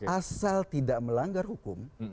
asal tidak melanggar hukum